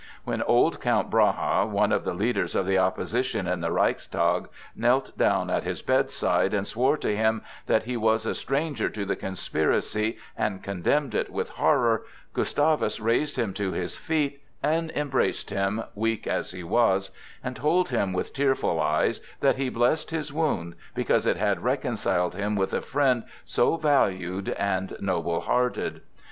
When old Count Brahe, one of the leaders of the opposition in the Reichstag, knelt down at his bedside and swore to him that he was a stranger to the conspiracy and condemned it with horror, Gustavus raised him to his feet and embraced him, weak as he was, and told him with tearful eyes that he blessed his wound, because it had reconciled him with a friend so valued and noble hearted.